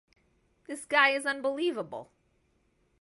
This guy is unbelievable.